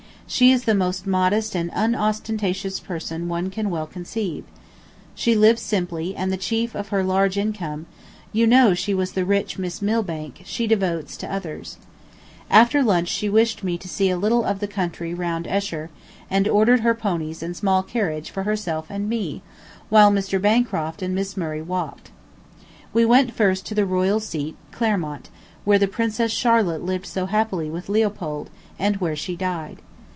She is the most modest and unostentatious person one can well conceive. She lives simply, and the chief of her large income (you know she was the rich Miss Milbank) she devotes to others. After lunch she wished me to see a little of the country round Esher and ordered her ponies and small carriage for herself and me, while Mr. Bancroft and Miss Murray walked. We went first to the royal seat, Claremont, where the Princess Charlotte lived so happily with Leopold, and where she died.